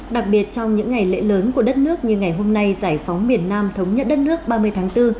đặc biệt trong những ngày lễ lớn của đất nước như ngày hôm nay giải phóng miền nam thống nhất đất nước ba mươi tháng bốn